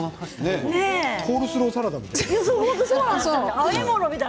コールスローサラダみたいな感じで。